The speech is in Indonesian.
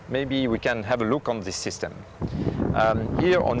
mungkin kita bisa melihat sistem ini